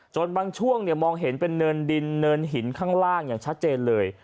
บางช่วงมองเห็นเป็นเนินดินเนินหินข้างล่างอย่างชัดเจนเลย